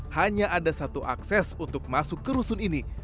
hanya ada satu akses untuk masuk ke rusun ini